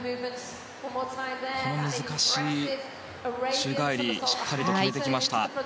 難しい宙返りをしっかりと決めてきました。